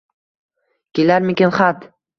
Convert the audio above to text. Kelarmikan xat?